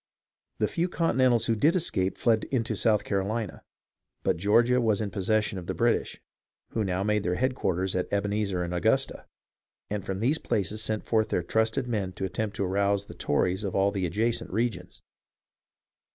The few Continentals who did escape fled into South Carolina ; but Georgia was in possession of the British, who now made their headquarters at Ebenezer and Augusta, and from these places sent forth their trusted men to attempt to arouse the Tories of all the adjacent regions.